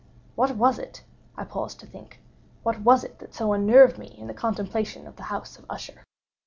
What was it—I paused to think—what was it that so unnerved me in the contemplation of the House of Usher?